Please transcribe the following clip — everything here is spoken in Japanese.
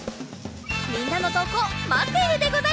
みんなのとうこうまっているでござる。